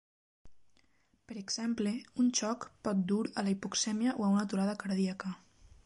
Per exemple, un xoc pot dur a la hipoxèmia o a una aturada cardíaca.